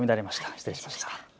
失礼しました。